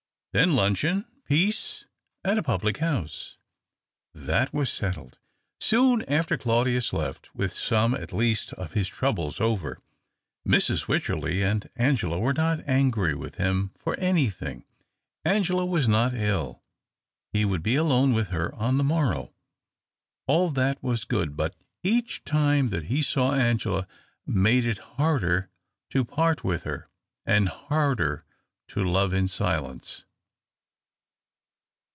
Then luncheon — peace and a public house." That was settled. Soon after Claudius left, with some, at least, of his troubles over. Mrs. AVycherley and Angela were not angry with him for anything. Angela was not ill — he would be alone with her on the morrow. All that was good. But each time that he saw Angela made it harder to part with her, and harder to love in silence.